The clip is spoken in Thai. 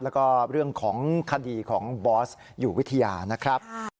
แล้วก็เรื่องของคดีของบอสอยู่วิทยานะครับ